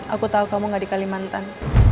aku tahu kamu gak di kalimantan